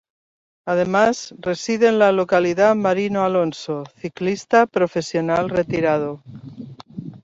Además, reside en la localidad Marino Alonso, ciclista profesional retirado.